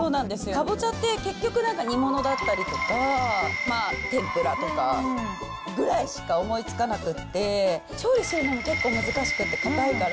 かぼちゃって結局、煮物だったりとか、天ぷらとかぐらいしか思いつかなくて、調理するのも難しくて、硬いから。